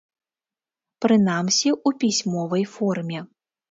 Прынамсі, у пісьмовай форме.